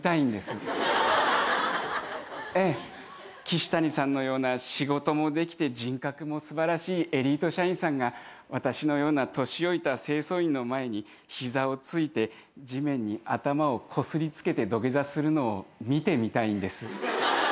キシタニさんのような仕事もできて人格も素晴らしいエリート社員さんが私のような年老いた清掃員の前に膝を突いて地面に頭をこすりつけて土下座するのを見てみたいんです。